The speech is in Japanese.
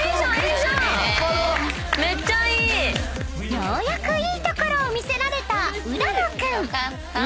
［ようやくいいところを見せられた浦野君］